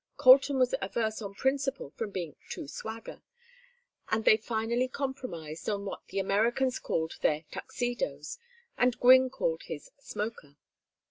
Colton was averse on principle from being too "swagger"; and they finally compromised on what the Americans called their "Tuxedos," and Gwynne his "smoker."